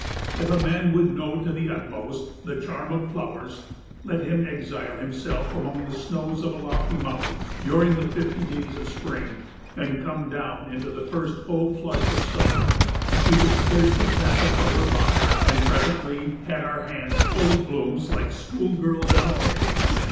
If a man would know to the utmost the charm of flowers, let him exile himself among the snows of a lofty mountain during fifty days of spring and come down into the first full flush of summer. We could scarcely pass a flower by, and presently had our hands full of blooms like schoolgirls on a picnic.